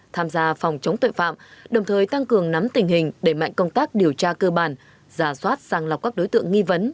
tham gia phòng chống tội phạm đồng thời tăng cường nắm tình hình đẩy mạnh công tác điều tra cơ bản giả soát sang lọc các đối tượng nghi vấn